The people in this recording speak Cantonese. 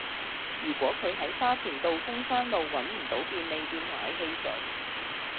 如果佢喺沙田道風山路搵唔到便利店買汽水